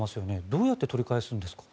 どうやって取り返すんですか。